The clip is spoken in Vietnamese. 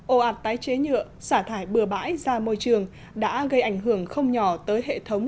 ồ ạt tái chế nhựa xả thải bừa bãi ra môi trường đã gây ảnh hưởng không nhỏ tới hệ thống